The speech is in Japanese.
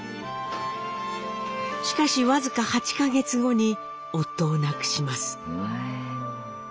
しかし僅か８か月後に夫を亡くします。